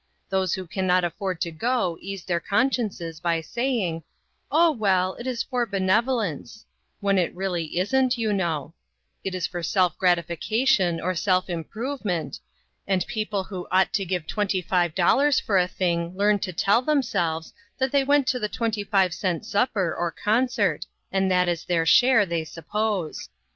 Those who can not afford to go ease their consciences by saying, ' Oh, well, it is for benevolence ;' when it really isn't, you know ; it is for self gratification or self improvement, and people who ought to give twenty five dollars for a thing learn to tell themselves that they went to the twenty five cent supper, or concert, and that is their share, they suppose.